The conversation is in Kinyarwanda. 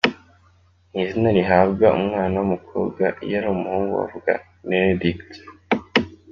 Ni izina rihabwa umwana w’umukobwa, iyo ari umuhungu bavuga Nenedict.